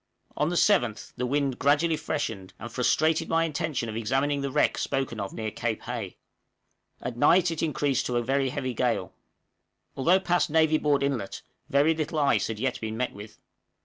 On the 7th the wind gradually freshened and frustrated my intention of examining the wreck spoken of near Cape Hay; at night it increased to a very heavy gale. Although past Navy Board Inlet, very little ice had yet been met with.